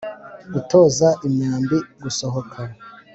Utoza imyambi gusohoka